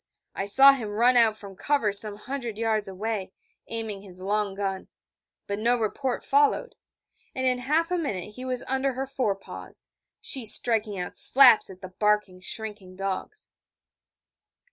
I saw him run out from cover some hundred yards away, aiming his long gun: but no report followed: and in half a minute he was under her fore paws, she striking out slaps at the barking, shrinking dogs.